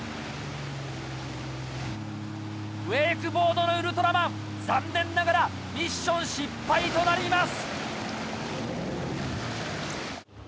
ウェイクボードのウルトラマン残念ながらミッション失敗となります。